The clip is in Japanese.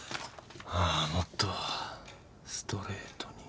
あもっとストレートに。